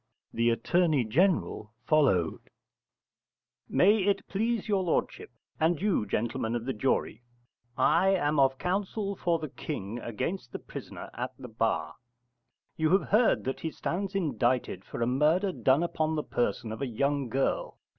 The Attorney General followed: May it please your lordship, and you gentlemen of the jury, I am of counsel for the King against the prisoner at the bar. You have heard that he stands indicted for a murder done upon the person of a young girl.